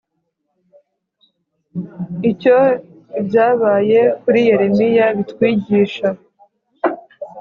icyo ibyabaye kuri yeremiya bitwigisha